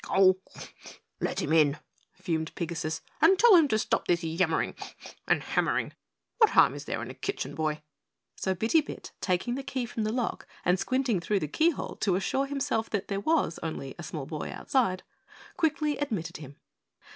"Oh, let him in," fumed Pigasus, "and tell him to stop this hammering and yammering. What harm is there in a Kitchen Boy?" So Bitty Bit, taking the key from the lock and squinting through the keyhole to assure himself there was only a small boy outside, quickly admitted him.